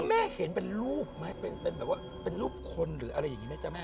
แม่เห็นเป็นรูปไหมเป็นแบบว่าเป็นรูปคนหรืออะไรอย่างนี้ไหมจ๊ะแม่